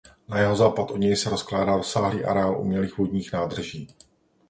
Na jihozápad od něj se rozkládá rozsáhlý areál umělých vodních nádrží.